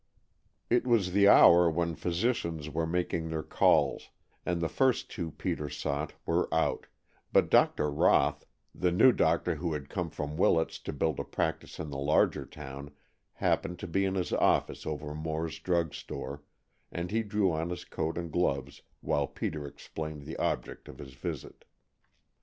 It was the hour when physicians were making their calls and the first two Peter sought were out, but Dr. Roth, the new doctor who had come from Willets to build a practice in the larger town, happened to be in his office over Moore's Drug Store, and he drew on his coat and gloves while Peter explained the object of his visit.